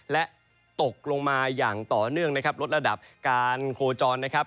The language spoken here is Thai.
และตกลงมาอย่างต่อเนื่องลดระดับการโคลจร